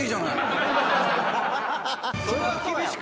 それは厳しく。